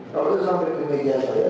kalau itu sampai ke media saya